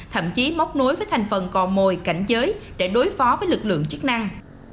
thậm chí móc nối với thành phần cò mồi cảnh giới để đối phó với lực lượng chức năng